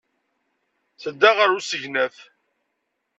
Tedda ɣer usegnaf.